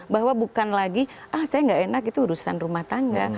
bahwa bukan lagi ah saya nggak enak itu urusan rumah tangga